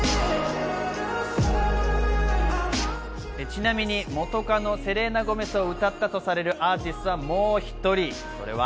ちなみに元カノ、セレーナ・ゴメスを歌ったとされるアーティストがもう１人、それは。